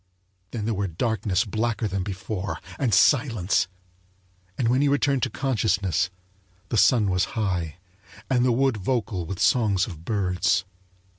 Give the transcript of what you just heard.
Then there were darkness blacker than before, and silence; and when he returned to consciousness the sun was high and the wood vocal with songs of birds.